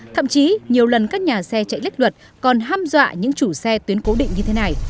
thậm chí nhiều lần các nhà xe chạy lếch luật còn ham dọa những chủ xe tuyến cố định như thế này